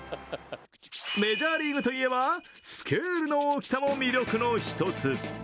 メジャーリーグといえば、スケールの大きさも魅力の１つ。